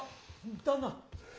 ・旦那。